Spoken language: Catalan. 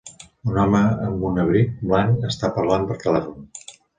Un home amb un abric blanc està parla per telèfon.